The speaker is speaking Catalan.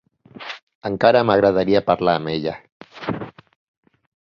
Encara m'agradaria parlar amb ella.